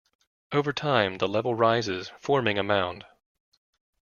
Over time, the level rises, forming a mound.